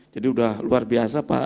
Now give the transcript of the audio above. jadi sudah luar biasa